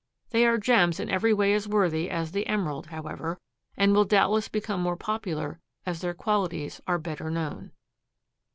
They are gems in every way as worthy as the emerald, however, and will doubtless become more popular as their qualities are better known.